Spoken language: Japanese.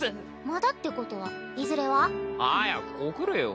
「まだ」ってことはいずれは？早く告れよ。